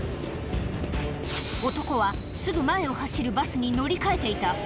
男はすぐ前を走るバスに乗り換えていた。